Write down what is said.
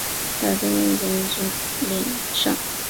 大中年间卒于任上。